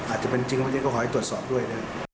อาจจะเป็นจริงเขาขอให้ตรวจสอบด้วย